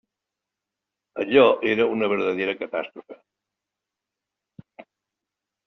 Allò era una verdadera catàstrofe!